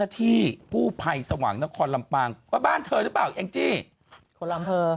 ที่กู้ภัยสว่างนครลำปางว่าบ้านเธอหรือเปล่าแองจี้คนละอำเภอ